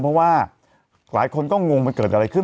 เพราะว่าหลายคนก็งงมันเกิดอะไรขึ้น